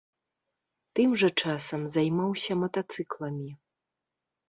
Тым жа часам займаўся матацыкламі.